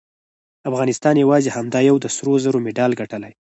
افغانستان یواځې همدا یو د سرو زرو مډال ګټلی